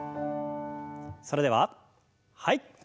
それでははい。